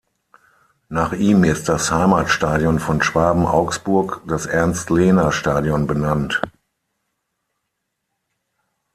Nach ihm ist das Heimatstadion von Schwaben Augsburg, das Ernst-Lehner-Stadion, benannt.